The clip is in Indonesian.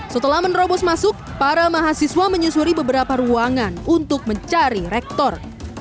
setelah menerobos masuk para mahasiswa menyusuri beberapa ruangan untuk mencari rektor